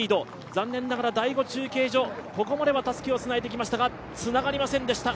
残念ながら第５中継所、ここまではたすきをつないできましたがつながりませんでした。